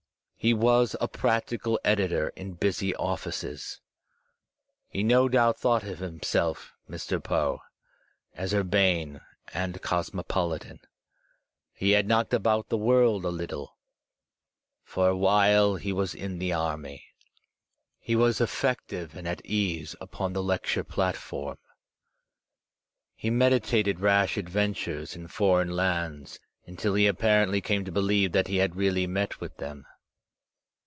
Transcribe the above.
He was a practical editor in busy offices. He no doubt thought of himself, Mr. Poe, as urbane and cosmopolitan. He had knocked about the world a Uttle. For a while he was in the army. He was Digitized by Google 126 THE SPIRIT OF AMERICAN LITERATURE effective and at ease upon the lecture platform. He medi tated rash adventures in foreign lands until he apparently came to believe that he had really met with them.